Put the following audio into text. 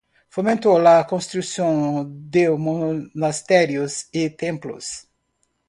Fomentó la construcción de monasterios y templos.